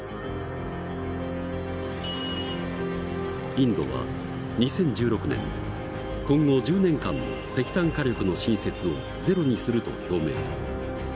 インドは２０１６年今後１０年間の石炭火力の新設をゼロにすると表明。